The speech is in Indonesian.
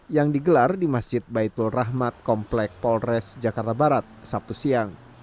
yang digelar di masjid baitul rahmat komplek polres jakarta barat sabtu siang